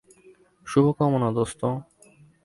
শুভকামনা, দোস্ত।